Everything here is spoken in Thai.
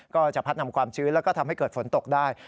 ก็จะพัดนำความชื้นแล้วก็ทำให้เกิดฝนตกได้